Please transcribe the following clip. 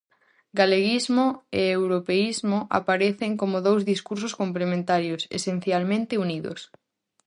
Galeguismo e europeísmo aparecen como dous discursos complementarios, esencialmente unidos.